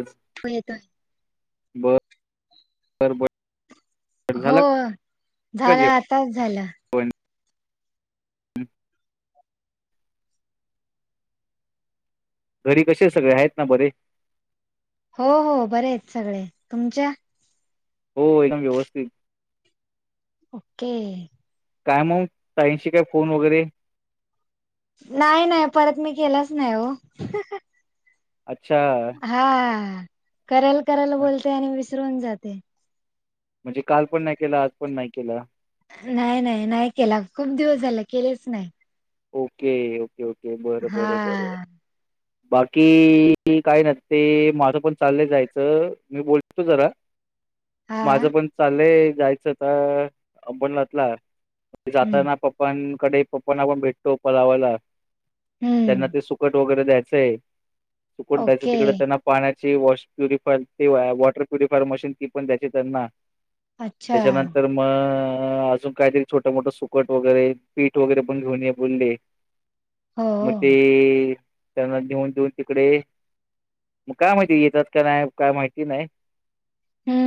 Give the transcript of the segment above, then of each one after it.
ब येतोय बर बर हो झालं का झालं आताच झालं. हम् घरी कसे सगळे आहेत ना बरे? हो हो बरे आहेत सगळे तुमच्या हो एकदम व्यवस्थित ओके काय मग ताईनशी काय फोन वगैरे नाही नाही परत मी केलाच नाही हो अच्छा हा. करायला करायला बोलते आणि विस विसरून जाते. म्हणजे काल पण नाही केला आज पण नाही केला नाही नाही नाही केला खूप दिवस झाला केलेच नाही. ओके ओके ओके ओके बर बर बर हा बाकी काय ना ते माझं पण चाललं जायचं मी बोल त जरा हा माझ पण चाललंय जायचंता अबणलातला हम्म जाता ना प्पन कडे पपाना पण भेट. तो परावाला. त्यांना हम्म ते सुकट वगैरे द्या से सुकोट दयाचं ओके तिकडे त्यांना पाण्याची वॉश प्युरिफार ते वॉटर प्युरिफायर मशीन त पण त्याची त्यांना अच्छा त्याच्यानंतर म अजून काहीतरी छोटं मोठं सुकट वगैरे पीठ वगैरे पण घेऊन गुंडे. हो म हम्म ते त्यांना घेऊन देेऊन तिकडे. मग काय माहिती येतात का नाही काय मा की नाही.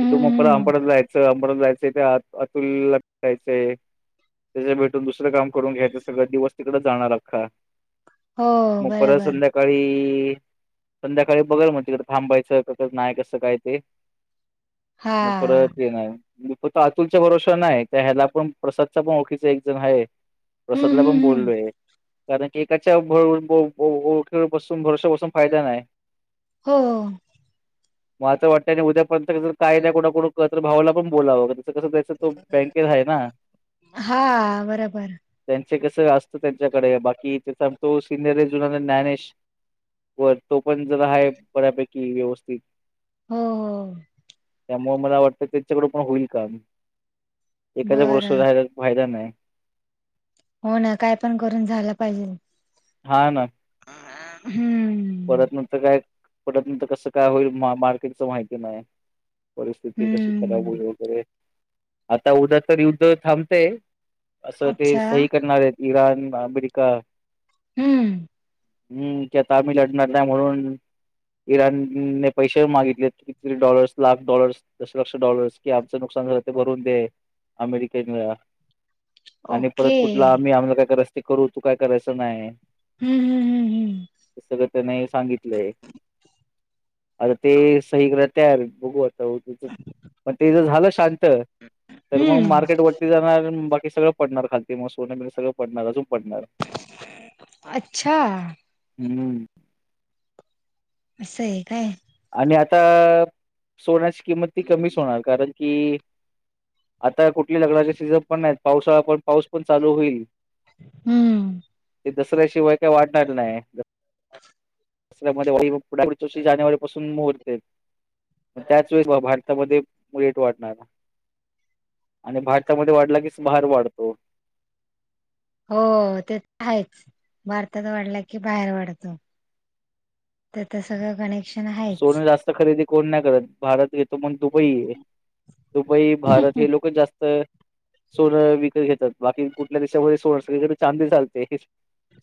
की तु मग हम्म अंबडच जायचं परत जायचे त्या अतुला प्याचे त्याच्या भ तुम्ही दुसर काम करून घ्याचस. वस्तीकडे जाणार खा? हो मग परत बरोबर संध्याकाळी संध्याकाळी बघल मग तिकडं थांबायचं क नाही कसं काय ते. हा मग परत ये नाही, फक्त अतुलच्या भरोवस्या नाही. त्या ह्याला पण प्रसादच्या पण ओळखीचा एक जण आहे. हम्म प्रसाद ला पण हम्म हम्म बोलोय. कारण की एकाच्या भव भव भरवशावर फायदा नाही. हो हो. मला तर वाटतं आणि उद्या फक्त कस कायद्या कुड कुड तर भावाला पण बोलाव. कस त्याच तो बँकेत आहे ना? हा बरोबर त्यांच कस त्यांच्याकडे बाकी त्या तो सिनियर आहे, जुन ज्ञानेश वर. तो पण जरा आहे बऱ्यापैक की व्यवस्थित. हो हो त्यामुळे मला वाटतं त्याच्याकड हो होईल काम. एकाद गोष्ट बरं रायला फायदा नाही हो ना काय पण करून झाला पाहिजे हा ना हम्म पटतनंतर कसं काय होईल मार्केटच माहिती नाही परिस्थिती कशी खराब होई हम्म वगैरे आता उद्या तर युद्ध थांबते असं ते अच्छा सही करणार आहेत इराण अमेरिका हम्म हम्म क तामळनाडू नाही म्हणून इराणने पैसे मागितले कि डॉलर्स लाख डॉलर्स दशलक्ष डॉलर्स कि आमचं नुकसान झालं ते भरून दे अमेरिकेला आणि ओके परत कुठला आम्ही आम्हाला काय करत ते करू तू काय करायचं नाही हम्म हम्म हम्म हम्म सगळं त्याने सांगितलंय आता ते सही ग तयार बघव पण ते जर झालं शांत तर मग हम्म मार्केट हम्म वरती जाणार बघ हे सगळ पडणार खाल मग सोनं सगळ पडणार अजून पडणार अच्छा हम्म असं आहे काय आणि आता सोन किंमत ती कमीच होणार कारण की आता कुठल्या लग्नाचे सीजन पण नाहीत पावसाळा पण पाऊस पण चालू होईल हम्म ते दसऱ्या शिवाय काही वाढणार नाही दऱ्या जानेवारी मुहूर्त त्याच वेळी भारतामध्ये मुलट वाटत ब आणि भारतामध्ये वाढला कीच बाार वाढतो हो ते तर आहेच भारतात वाढला की बाहेर वाढतो त्या तर सगळं गणे सोनं जास्त खरेदी कोण नाही करत भारत घेतो मग दुबई दुबई भारत हे लोकच जास्त सोनं विकत घेतात बाकी कुठल्या देशामध्ये सोनं सगळीकडे चांदी चालते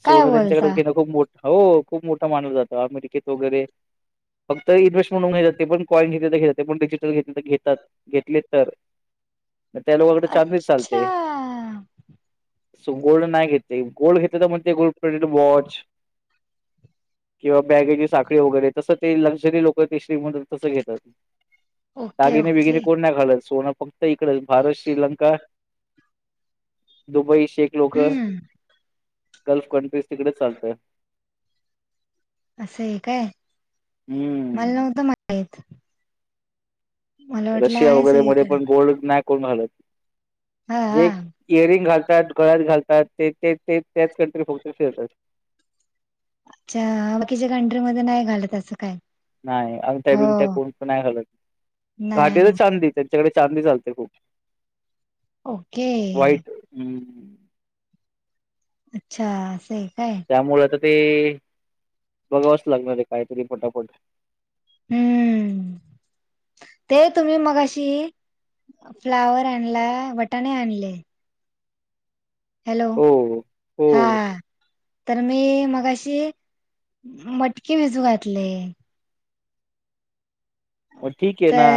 काय सोनं त्यांच्याकडे बोलता घेणं खूप मोठ हो खूप मोठा मानला जातो. अमेरिकेतेत वगेरे. फक्त इन्हेस्टंऊून घ जात प कॉईन घेते तर घेतात पण डिजिटल घेतलं तर घेतात. घेतले तर त्या लोककडे ांदी अच्छा चालते. सो गोल्ड नाही घेते गोल्ड घेत तर म्हण ते गोल्ड प्रिंटेड वॉच. किंवा बॅगेची साखळी वगैरे तसंच. लक्झरी लोक ते श्रीमंत तस घेतात. ओके दागिने बिगिने ओके कोण नाही घालत सोनं त इकड भारत श्रीलंका दुबई. शेख लोक हम्म गल्फ कंट्रीज तिकडेच चालतय. असं एय काय? मला हम्म नव्हतं महित. रशिया आहे वगैरे मधे सगळीकडे पण गोल्ड स्नेक कोण आलं? हा जे हा इयररिंग घालतात गळ्यात घालतात. ते ते ते त्याच कंट्री फक्त फिरतात. अच्छा बाकीच्या कंट्री मध्ये नाही घालत असं काय. नाही, अंगठ्या बिंगठ्या हो कोण नाही घालत नाही घाटी तर नाही चांदी त्यांच्याकडे चांदी चालते खूप. ओके वाईट हम्म. अच्छा असय. त्यामुळं त ते बघावच लागणार रे काहीतरी पटापट. हम्म ते तुम्ही मगाशी फ्लावर आणला वटाणे आणले. हॅलो हो हो हा. तर मी मगाशी मटकी भिजू घातले. हो [unintelligible] ठिक आहे ना.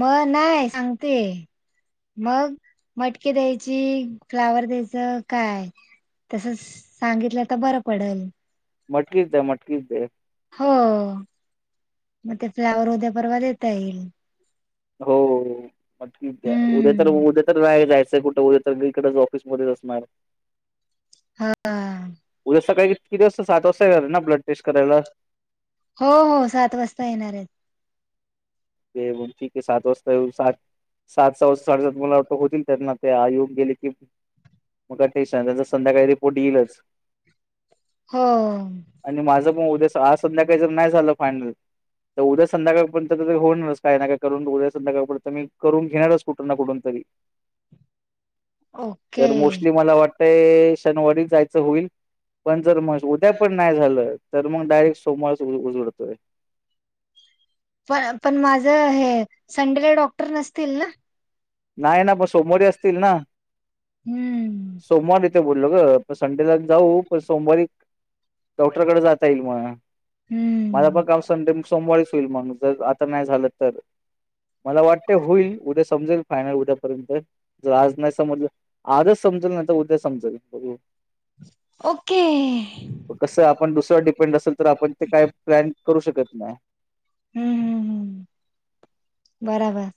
म नाय सांगते, मग मटकी द्यायची, फ्लावर द्यायचं, काय तस सांगितलं तर बरं पडल? मटकीच दया मटकीच दे. हो, मग ते फ्लावर उद्या परवा देता येईल. हो. म ठीकये उद्या तर हम्म उद्या तर रा जायचंय कुठं उ सगळीकडेच ऑफिसमध्येच असणार. हा उद्या सकाळी किती वाजता सात वाजता येणारे ना ब्लड टेस्ट करायला? हो हो सात वाजता येणार आहेत ते ठीक आहे सात वाजता येऊ सात सात सव साडेसात मलाटो होतील त्यांना ते येऊन गेले कि मग का टेनशन नाई संध्याकाळी रिपोर्ट येईलच. हो. म उद्या आज संध्याकाळी जर नाही झालं फायनल तर उद्या संध्याकाळपर्यंत होणारच काय ना काय करून उया संध्याकाळ मी करून घेणारच कुठून ना कुठून तरी. ओके तर मोस्टली मला वाट ते अ शनिवारी जायचं होईल, पण जर म उद्या पण नाही झालं तर मग डायरेक्ट सोमवार उजडतेय. पण पण माझं हे संडेला डॉक्टर नसतील ना नाही ना पण सोमवारी असतील ना हम्म सोमवारी ते बोलग, संडेला जाऊ पण सोमवारी डॉक्टरकडे जाता येईल मग. माझा हम्म पण काम संडे सोमवारी होईल माणूस जाईल आता नाही झालं तर मला वाटतें होईल, उद्या समजेल. फायनल उद्यापर्यंत जर आज नाही समजलं. आजच समजल नाही, तर उद्या समजल बघू ओके [inaudible] कस आपण दुसऱ्यावर डिपेंड असेल तर आपण ते काय प्लॅन करू शकत नाही. हम्म हम्म हम्म बराबर.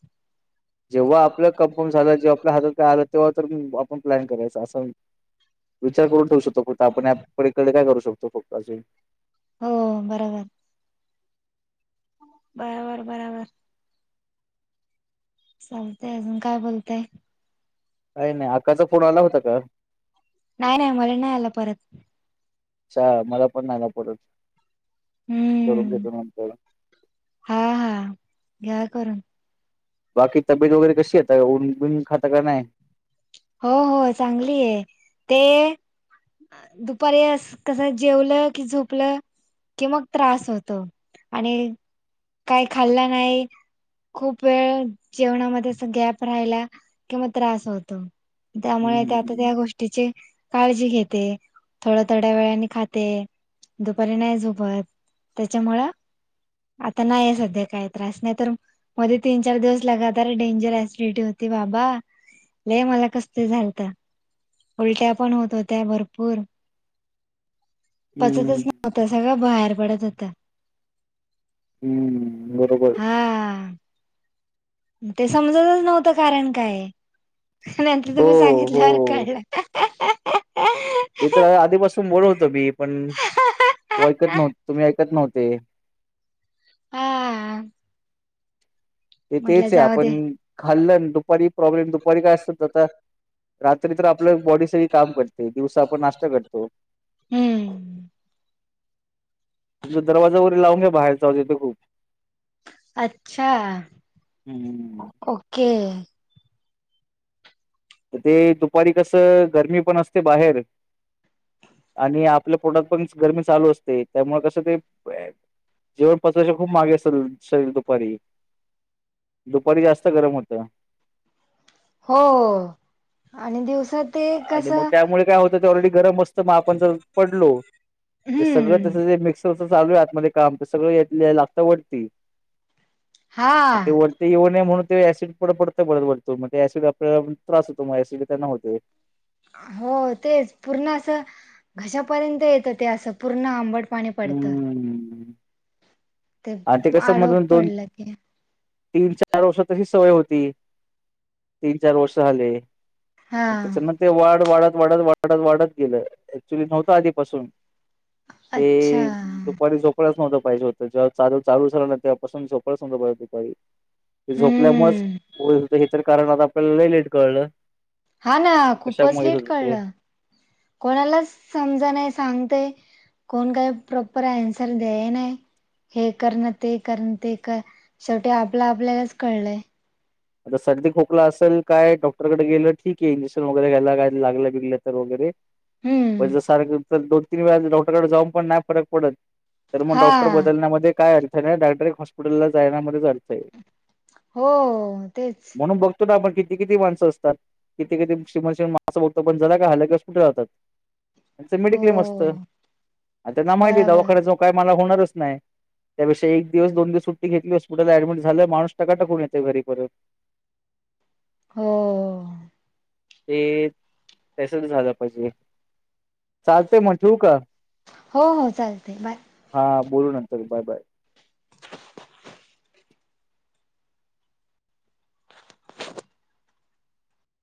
जेव्हा आपलं कन्फर्म झालं, जेव आपल्या हातात काय आलं तेव्हा तर आपण प्लॅन करायचं असं विचार करून ठेव शकतो फक्त आपण इकडे काय करू शकतो फ पाजून हो बराबर. बराबर-बराबर चालतेय अजून काय बोलतय काही नाही, आकाचा फोन आला होता का? नाही नाही मला नाही आला परत चा मला पण नाही आ परत करून हम्म घेतो नंतर. हा हा घ्या करून. बाकी तब्येत वगैरे कशी आहे ऊन बिन खाता का नाय? [inaudible] हो हो चांगली आहे ते दुपारी कस जेवलं कि झोपलं कि मग त्रास होत आणि काय खाल्ला नाही खूप वेळ जेवणामध्ये अस गॅप राहिला किंवा त्रास होतो, त्यामुळे हम्म त्यात त्या गोष्टीची काळजी घेते थोड्या-थोड्या वेळाने खाते दुपारी नाही झोपत तेच्यामुळं आता नाहीय सध्या काही त्रास नाही, तर मध्ये तीन चार दिवस लगातार डेंजर ऍसिडिटी होती बाबा. ले मला कसते झालत उलट्या पण होत होत्या भरपूर पचतच हम्म नव्हत सगळं बाहेर पडत होत. हम्म बरोबर. हा ते समजतच नव्हतं कारण काय. नंतर हो तुम्ही सांगितल्यावर काढल. [inaudible] इकड आधी पासून बोलत होते मी पण वयकत नव्हत तुम्ही ऐकत न्हत ते आ ते तेच आपण खाल्ल दुपारी प्रॉब्लेम दुपारी दुपारी काय असत तता रात्री तर आपल् बॉडी सगळी काम करते दिवस आपण नाश्ता करतो हम्म यो दरवाजा वरी लावून या बाहेर जावू येतो खूप अच्छा हम्म ओके तर ते दुपारी कस गर्मी पण असते बाहेर आणि आपल्या पोटात पण गरमी चालू असते त्यामुळे कस ते जेवण पचवायच खूप मागे असतल शरीर दुपारी दुपारी जास्त गरम होतया हो आणि दिवस आणि मग त्यामुळे काय होत ते ऑलरेडी गरम अस्त म आपण जर पडलो ते सगळ त्याच हम्म जे मिक्सर चालू आहे आतमध्ये काम त सगळ येट लेल्या वटती हा आण ते वरती येऊ नाही म्हणून ते असिड पड पडत बळळ वटतो म ते असिड आपल्याला त्रास होतो म असिड त्यांना होतोय हो तेच पूर्ण अस घशापर्यंत येत ते अस पूर्ण आंबट पाणी पडत हम्म ते आणि कसं पाड मधून दोन पडल की तीन चार वर्ष तरी सवय होती तीन चार वर्ष झाले हा त्याचम ते वाढ वाढत वाढत वाढत वाढत गेल ऍक्च्युली नव्हतआधीपासून अच्छा ते दुपारी झोपळच नव्हत पाहील होत जग चालू चालू च राहणार तेव्हा पासून झोपच न नको बाय दूपारी ते झोपल्यामुळ च हम्म होय हे तर कारण आता पन लय लेट कळल हा ना खूपच लेट कळल कोणालाच समजणय सांगते कोण काय प्रोपर ॲन्सर देय नाय हे करन ते कर ते कर शेवटी आपल आपल्यालाच कळलय आता सर्दी खोकला असेल काय डॉक्टरकडे गेल ठीक हे इंजेक्शन वगैरे घ्यायला काय लागल बिगल तर वगैरे [unintelligible] हम्म तीन वेळान डॉक्टरकड जाऊन पण नाय फरक पडत तर म डॉक्टर हा बदलण्यामध्ये काय अड [inaudible] हॉस्पिटला जायना ते झालतय हो तेच म्हणून बघतो ना आपण कि किती किती माणसं असतात किती किती श्रीमन माणसं बघतो पण जला का हलाकेस कुठे राहतात त्यांच हो मेडिक्लेम असतं आणि त्यांना माहिती आहे बराबर दवाखाण्यात जा काय मला होणारचत नाही त्यापेक्षा एक दिवस दोन दिवस सुट्टी घेतली हॉस्पिटलला ऍडमिट झालं माणुस टकाटक होऊन येतय घरी बरं हो ते तसच झालं पाहिजे चालते मग ठेवू का? हो हो चालते बाय हा बोलू नंतर बाय बाय